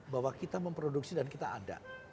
bahwa kita memproduksi dan kita ada